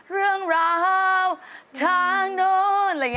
เรื่องร้าวทางโน้น